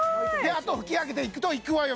あとは拭き上げていくといくわよ